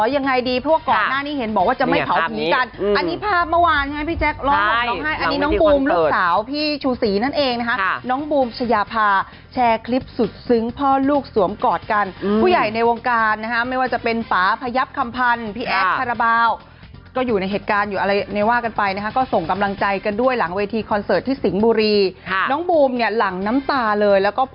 ยังไงมันก็ตัดกันไม่ขาดถามไม่ว่าพ่อจะตายหรือหนูจะตาย